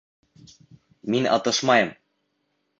Мин атышмайым!